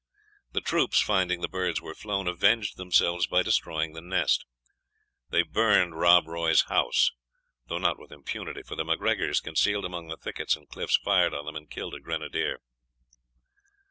The troops, finding the birds were flown, avenged themselves by destroying the nest. They burned Rob Roy's house, though not with impunity; for the MacGregors, concealed among the thickets and cliffs, fired on them, and killed a grenadier.